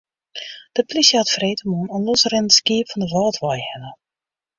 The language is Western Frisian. De plysje hat freedtemoarn in losrinnend skiep fan de Wâldwei helle.